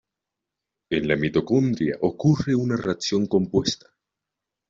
En la mitocondria ocurre una reacción compuesta.